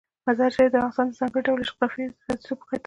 مزارشریف د افغانستان د ځانګړي ډول جغرافیې استازیتوب په ښه توګه کوي.